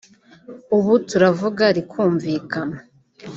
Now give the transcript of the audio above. ubu turavuga rikumvikana